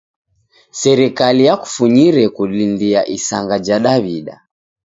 Serikali yakufunyire kulindia isanga ja Daw'ida.